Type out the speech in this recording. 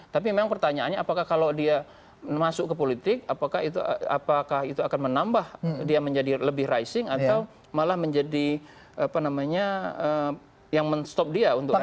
tapi memang pertanyaannya apakah kalau dia masuk ke politik apakah itu akan menambah dia menjadi lebih rising atau malah menjadi apa namanya yang men stop dia untuk itu